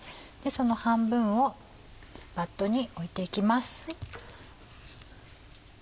その半分をバットに置いて行きます。